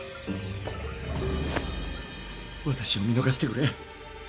私を見逃してくれ。